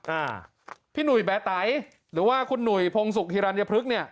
อ่าพี่หนุ่ยแบร์ไตหรือว่าคุณหนุ่ยพงศุกร์ฮิรัญพฤกษ์เนี่ย